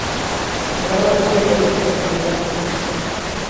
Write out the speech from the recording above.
me daba apuro pedirte que me ayudara.